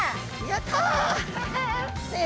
やった！